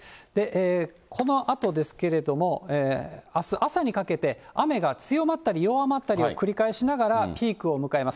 このあとですけれども、あす朝にかけて、雨が強まったり弱まったりを繰り返しながら、ピークを迎えます。